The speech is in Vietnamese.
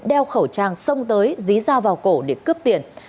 đeo khẩu trang sông tới dí dao vào cổ để cướp tiền